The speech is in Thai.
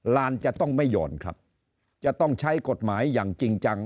ลานจะต้องไม่หย่อนครับจะต้องใช้กฎหมายอย่างจริงจัง